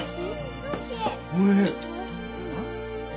おいしい。